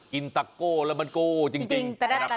ตะโก้แล้วมันโก้จริง